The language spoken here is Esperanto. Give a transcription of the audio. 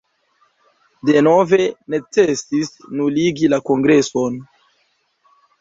Denove necesis nuligi la kongreson.